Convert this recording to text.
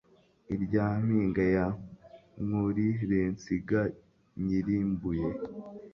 irya mpinga ya mwurirensiga nyirimbuye